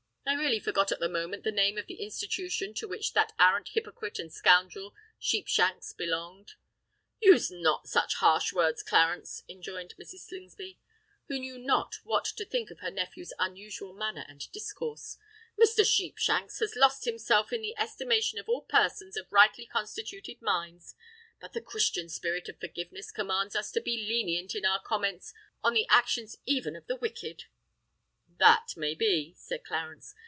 "I really forgot at the moment the name of the institution to which that arrant hypocrite and scoundrel Sheepshanks belonged." "Use not such harsh words, Clarence," enjoined Mrs. Slingsby, who knew not what to think of her nephew's unusual manner and discourse. "Mr. Sheepshanks has lost himself in the estimation of all persons of rightly constituted minds; but the Christian spirit of forgiveness commands us to be lenient in our comments on the actions even of the wicked." "That may be," said Clarence.